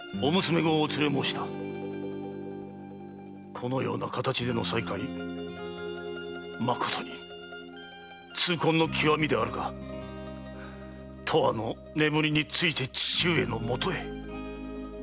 このような形での再会まことに痛恨の極みであるが永久の眠りについて父上の許へ。